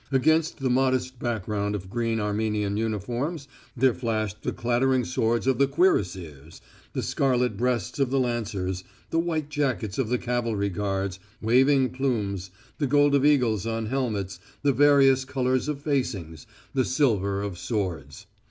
Against the modest background of green Armenian uniforms there flashed the clattering swords of the Cuirassiers, the scarlet breasts of the Lancers, the white jackets of the Cavalry Guards, waving plumes, the gold of eagles on helmets, the various colours of facings, the silver of swords.